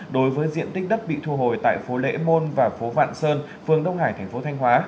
đối với diện tích đất bị thu hồi tại phố lễ môn và phố vạn sơn phường đông hải thành phố thanh hóa